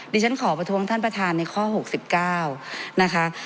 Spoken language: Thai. ดิฉันขอประท้วงท่านประทานในข้อหกสิบเก้านะคะ